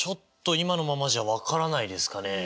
今のままじゃ分からないですかね。